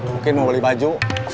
mungkin mau beli baju